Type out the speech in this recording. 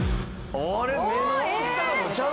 あれ？